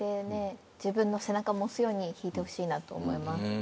自分の背中も押すように弾いてほしいなと思います。